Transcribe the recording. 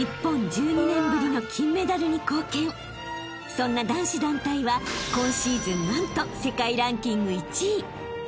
［そんな男子団体は今シーズン何と世界ランキング１位］